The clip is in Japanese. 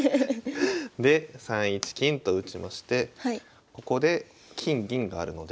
で３一金と打ちましてここで金銀があるので。